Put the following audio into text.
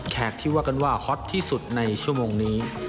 ที่ว่ากันว่าฮอตที่สุดในชั่วโมงนี้